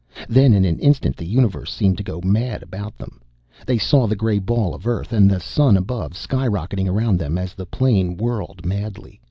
Then in an instant the universe seemed to go mad about them: they saw the gray ball of Earth and the sun above skyrocketing around them as the plane whirled madly.